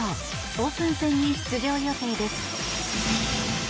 オープン戦に出場予定です。